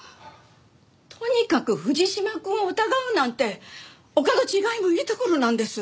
とにかく藤島くんを疑うなんてお門違いもいいところなんです。